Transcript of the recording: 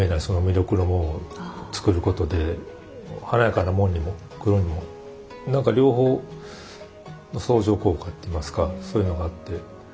その魅力のもんを作ることで華やかなもんにも黒にも何か両方相乗効果っていいますかそういうのがあって。